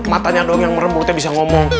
matanya doang yang merembutnya bisa ngomong